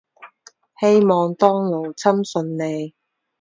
希望當勞侵順利